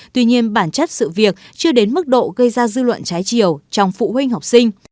tuy nhiên bản chất sự việc chưa đến mức độ gây ra dư luận trái chiều trong phụ huynh học sinh